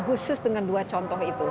khusus dengan dua contoh itu